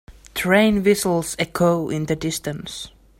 Train whistles echo in the distance.